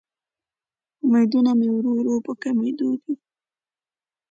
امیدونه مې ورو ورو په کمیدو دې